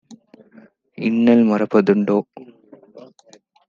இன்னல் மறப்ப துண்டோ?"